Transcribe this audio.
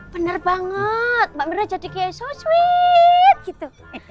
bener banget mbak mirna jadi kayak so sweet gitu